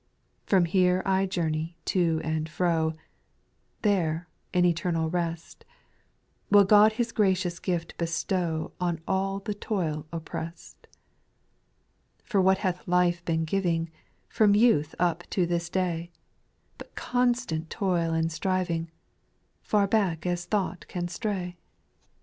For here I journey to and fro, There, in eternal rest, Will God His gracious gift bestow On all the toil oppressed. 2, For what hath life been giving, From youth up till this day, But constant toil and alv\\mw^ Far back as tliouji\\t caw ^Vvv^s "K 886 SPIRITUAL SONGS.